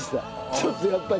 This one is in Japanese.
ちょっとやっぱり。